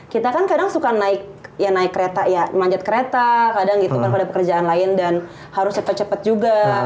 kita kan kadang suka naik ya naik kereta ya manjat kereta kadang gitu kan pada pekerjaan lain dan harus cepat cepat juga